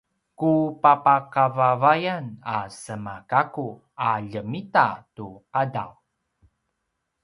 ku papakavavavan a sema gakku a ljemita tu qadaw